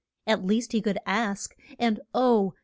At least he could ask; and oh!